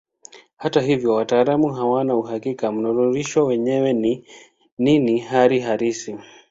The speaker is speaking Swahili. Hata hivyo wataalamu hawana uhakika mnururisho mwenyewe ni nini hali halisi.